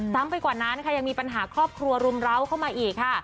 ไปกว่านั้นค่ะยังมีปัญหาครอบครัวรุมร้าวเข้ามาอีกค่ะ